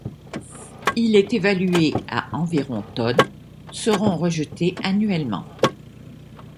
Il est évalué à environ tonnes seront rejetées annuellement.